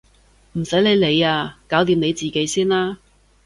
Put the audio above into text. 唔使你理啊！搞掂你自己先啦！